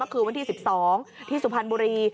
ก็คือวันที่๑๒ที่สุพรรณบุรี